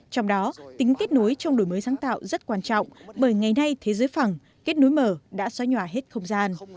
trong đó tính kết nối trong đổi mới sáng tạo rất quan trọng bởi ngày nay thế giới phẳng kết nối mở đã xóa nhòa hết không gian